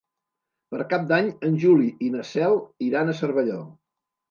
Per Cap d'Any en Juli i na Cel iran a Cervelló.